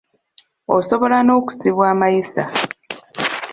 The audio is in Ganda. Osobola n’okusibwa amayisa.